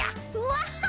ワッハ！